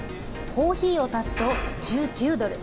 コーヒーを足すと１９ドル。